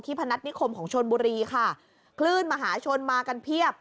พนัฐนิคมของชนบุรีค่ะคลื่นมหาชนมากันเพียบ